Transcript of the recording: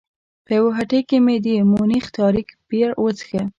په یوه هټۍ کې مې د مونیخ تاریک بیر وڅښه.